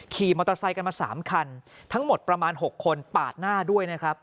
ขี่มอเตอร์ไซค์กันมา๓คันทั้งหมดประมาณ๖คนปาดหน้าด้วยนะครับ